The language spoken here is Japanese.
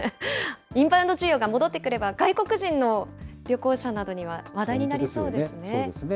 インバウンド需要が戻ってくれば、外国人の旅行者などには話題になりそうですね。